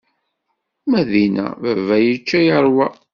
Mi d-inna, baba yečča yeṛwa.